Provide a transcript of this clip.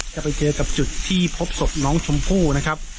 จะไปเจอกับจุดที่พบศพน้องชมพู่นะครับ